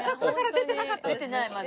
出てないまだ。